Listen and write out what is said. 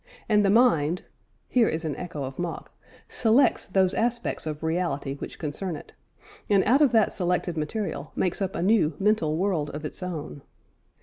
And the mind (here is an echo of Mach) selects those aspects of reality which concern it, and out of that selected material makes up a new (mental) world of its own.